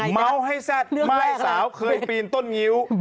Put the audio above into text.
ม้าวให้แซ่ดม่ายสาวเคยปีนต้นงิ้ว